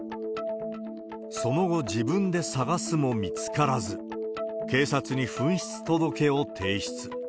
その後、自分で捜すも見つからず、警察に紛失届を提出。